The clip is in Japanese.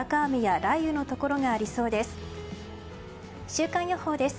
週間予報です。